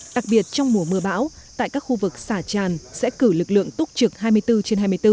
đặc biệt trong mùa mưa bão tại các khu vực xả tràn sẽ cử lực lượng túc trực hai mươi bốn trên hai mươi bốn